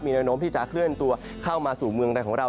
แนวโน้มที่จะเคลื่อนตัวเข้ามาสู่เมืองในของเรา